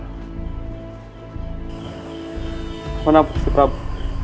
ampun gusti prabu